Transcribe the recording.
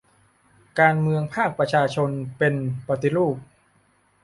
การเมืองภาคประชาชนเป็น 'ปฏิรูป'